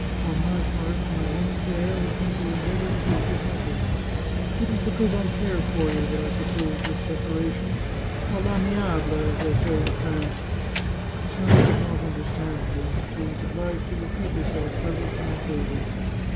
... On my part, my one care has been to endeavour to make you happy. It is because I care for you that I propose this separation, ' d ramiable,' as they say in France." The count did not understand her. She was obliged to repeat herself several times over.